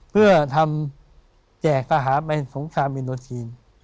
เพื่อทำแจกทหารไปสงครามอินโดทีน